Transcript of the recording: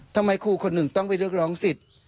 ทำไมครูคนหนึ่งต้องไปเรียกร้องสิทธิ์